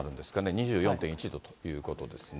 ２４．１度ということですね。